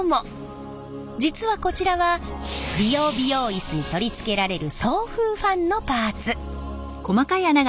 実はこちらは理容・美容イスに取り付けられる送風ファンのパーツ。